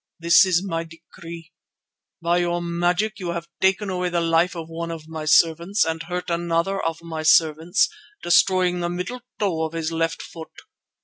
This is my decree. By your magic you have taken away the life of one of my servants and hurt another of my servants, destroying the middle toe of his left foot.